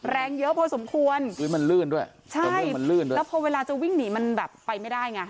แรงเยอะพอสมควรพื้นมันลื่นด้วยใช่แล้วพอเวลาจะวิ่งหนีมันแบบไปไม่ได้ไง